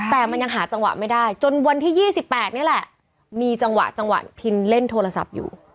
แต่มันยังหาจังหวะไม่ได้จนวันที่๒๘นี่แหละมีจังหวะจังหวะพินเล่นโทรศัพท์อยู่